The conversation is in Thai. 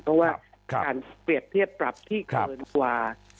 เพราะว่าการเปรียบเทียบปรับที่เกินกว่า